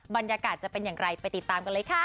บรรยากาศจะเป็นอย่างไรไปติดตามกันเลยค่ะ